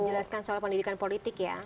menjelaskan soal pendidikan politik ya